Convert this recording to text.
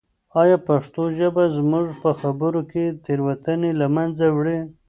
آیا پښتو ژبه زموږ په خبرو کې تېروتنې له منځه وړي؟